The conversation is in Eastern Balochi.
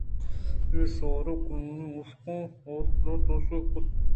اے شئورءِ کُلّیں مُشکاں گلات ءُ توصیف کُت